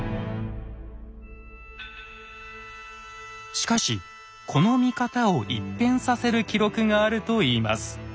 しかしこの見方を一変させる記録があるといいます。